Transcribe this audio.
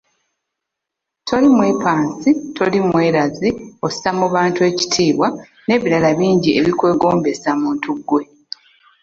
Toli mwepansi, toli mwerazi, ossa mu bantu ekitiibwa n'ebirala bingi ebikwegombesa muntu ggwe.